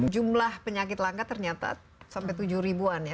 jumlah penyakit langka ternyata sampai tujuh ribu an ya